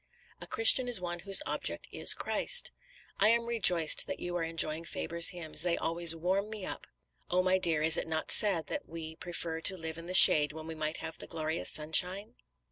"A Christian is one whose object is Christ." "I am rejoiced that you are enjoying Faber's hymns; they always warm me up. Oh, my dear, is it not sad that we prefer to live in the shade when we might have the glorious sunshine?"